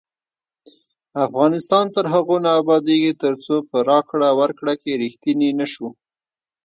افغانستان تر هغو نه ابادیږي، ترڅو په راکړه ورکړه کې ریښتیني نشو.